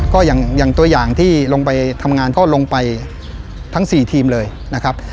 ก็อย่างตัวอย่างที่ลงไปทำงานก็ลงไปทั้ง๔ทีมเลยนะครับ